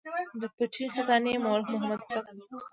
د پټي خزانې مؤلف محمد هوتک دﺉ.